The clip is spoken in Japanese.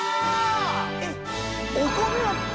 えっ。